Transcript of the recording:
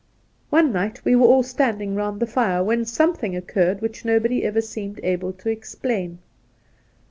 One night we were all standing round the fire, when something occurred which nobody ever seemed able to explain.